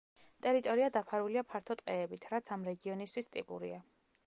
ტერიტორია დაფარულია ფართო ტყეებით, რაც ამ რეგიონისთვის ტიპურია.